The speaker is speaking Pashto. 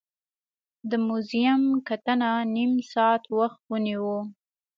د موزیم کتنه نیم ساعت وخت ونیو.